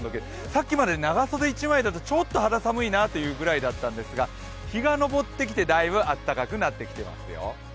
さっきまで長袖１枚だとちょっと肌寒かったんですが日が昇ってきてだいぶ温かくなってきていますよ。